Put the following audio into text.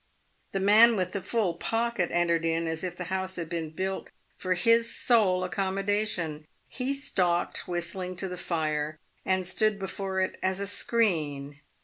The man with the full pocket entered in as if the house had been built for his sole accommodation. He stalked, whistling, to the fire, and stood before it as a screen.